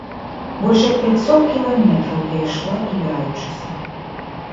Больш як пяцьсот кіламетраў я ішла, туляючыся.